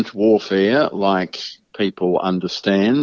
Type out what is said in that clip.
bukan perang seperti yang diperhatikan